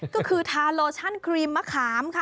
ก็คือทาโลชั่นครีมมะขามค่ะ